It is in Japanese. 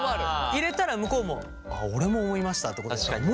入れたら向こうも「俺も思いました」ってことで。